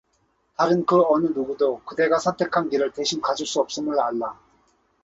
다른 그 어느 누구도 그대가 선택한 길을 대신 가줄 수 없음을 알라.